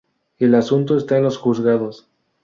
El asunto está en los juzgados.